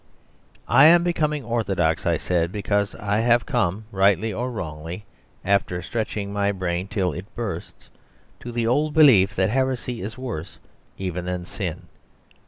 "I am becoming orthodox," I said, "because I have come, rightly or wrongly, after stretching my brain till it bursts, to the old belief that heresy is worse even than sin.